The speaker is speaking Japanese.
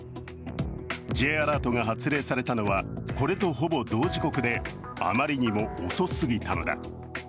Ｊアラートが発令されたのは、これとほぼ同時刻であまりにも遅すぎたのだ。